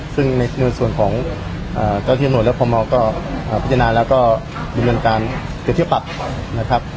ซึ่งในประโยชน์ส่วนของเจ้าที่โหนดและพ่อมองก็พิจารณาและก็บินเงินการเกี่ยวเทียบปรับ